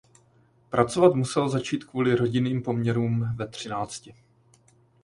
Pracovat musel začít kvůli rodinným poměrům ve třinácti.